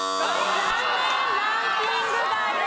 残念ランキング外です。